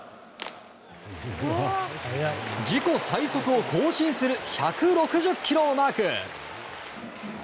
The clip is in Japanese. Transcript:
自己最速を更新する１６０キロをマーク！